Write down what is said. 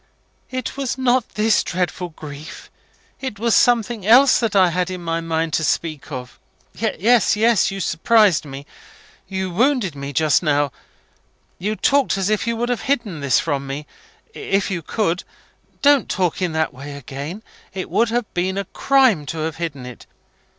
"It was not this dreadful grief it was something else that I had it in my mind to speak of. Yes, yes. You surprised me you wounded me just now. You talked as if you would have hidden this from me, if you could. Don't talk in that way again. It would have been a crime to have hidden it.